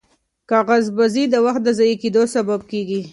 کاغذبازي د وخت د ضایع کېدو سبب ګرځي.